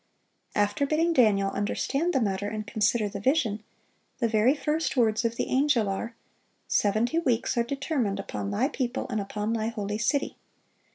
After bidding Daniel "understand the matter, and consider the vision," the very first words of the angel are, "Seventy weeks are determined upon thy people and upon thy holy city."